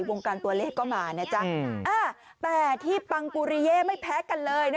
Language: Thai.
วงการตัวเลขก็มานะจ๊ะแต่ที่ปังปุริเย่ไม่แพ้กันเลย